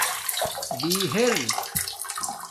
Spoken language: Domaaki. بِہر